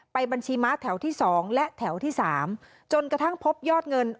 บัญชีม้าแถวที่๒และแถวที่๓จนกระทั่งพบยอดเงิน